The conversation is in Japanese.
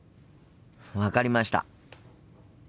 分かりました。